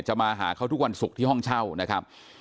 มาหาเขาทุกวันศุกร์ที่ห้องเช่านะครับ